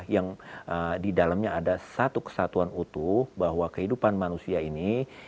yang di dalamnya ada satu kesatuan utuh bahwa kehidupan manusia ini